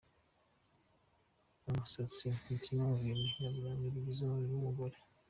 Umusatsi ni kimwe mu bintu nyaburanga bigize umubiri w’umugore.